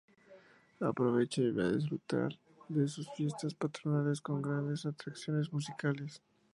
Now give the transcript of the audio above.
Aprovecha y ve a disfrutar de sus fiestas patronales con grandes atracciones musicales.